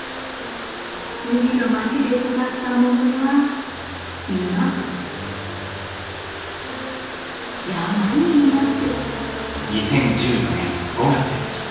海の町で育った百音は今山にいます。